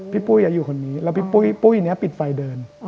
ปุ้ยอยู่คนนี้แล้วพี่ปุ้ยนี้ปิดไฟเดิน